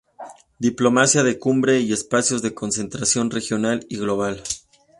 Diplomacia de Cumbre y espacios de concertación regional y global".